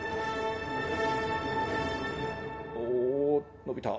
おお伸びた。